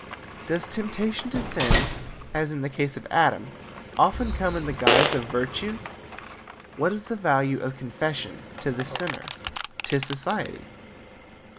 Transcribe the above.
Does temptation to sin, as in the case of Adam, often come in the guise of virtue? What is the value of confession to the sinner? To society?